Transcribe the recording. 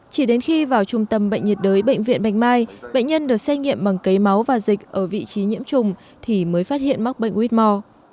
chỉ đến khi vào trung tâm bệnh nhiệt đới bệnh viện bạch mai bệnh nhân được xét nghiệm bằng cấy máu và dịch ở vị trí nhiễm trùng thì mới phát hiện mắc bệnh whore